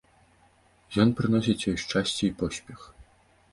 Ён прыносіць ёй шчасце і поспех.